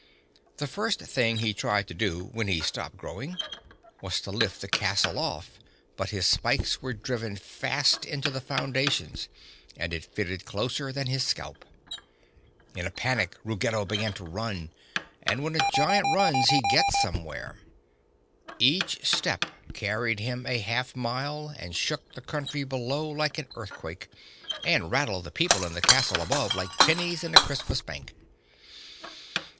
The first thing he tried to do, when he stopped growing, was to lift the castle off, but his spikes were driven fast into the foundations and it fitted closer than his scalp. In a panic Ruggedo began to run, and when a giant runs he gets somewhere. Each step carried him a half mile and shook the country below like an earthquake and rattled the people in the castle above like pennies in a Christmas bank.